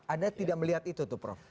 anda tidak melihat itu tuh prof